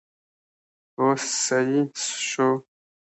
اوس سيي شو!